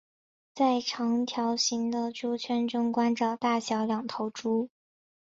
在长条形的猪圈中关着大小两头猪。